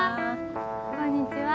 こんにちは。